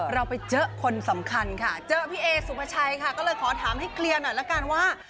เราไปเจอคนสำคัญค่ะเจอพี่เอสุภาชัยค่ะก็เลยขอถามให้เคลียร์หน่อยละกันว่า